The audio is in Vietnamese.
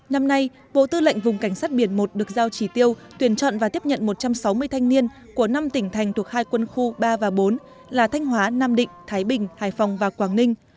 năm nay bộ tư lệnh vùng cảnh sát biển một được giao chỉ tiêu tuyển chọn và tiếp nhận một trăm sáu mươi thanh niên của năm tỉnh thành thuộc hai quân khu ba và bốn là thanh hóa nam định thái bình hải phòng và quảng ninh